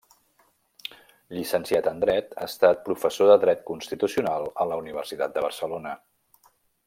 Llicenciat en dret, ha estat professor de dret constitucional a la Universitat de Barcelona.